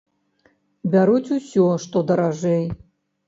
Бяруць усё, што даражэй.